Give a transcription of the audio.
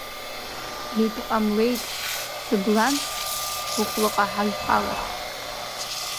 Митә ҟамлеит Цыблантә Быхәлаҟа ҳаҩхалар.